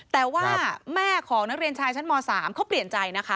แต่ว่าแม่ของนักเรียนชายชั้นม๓เขาเปลี่ยนใจนะคะ